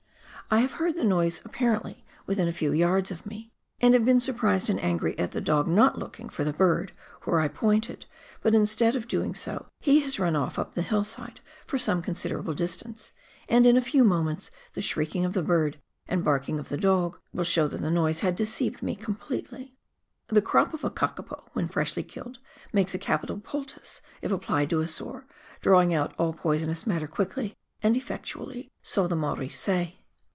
I have heard the noise apparently within a few yards of me, and have been surprised and angry at the dog not looking for the bird where I pointed, but instead of doing so he has run off up the hillside for some considerable dis tance, and in a few moments the shrieking of the bird and barking of the dog will show that the noise had deceived me corapletel3^ The crop of a kakapo, when freshly killed, makes a capital poultice if applied fo a sore, drawing out all poisonous matter quickly and effectually, so the JMaoris say.